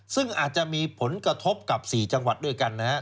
ซึ่งอาจจะมีผลกระทบกับ๔จังหวัดด้วยกันนะฮะ